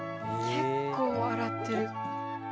結構洗ってる。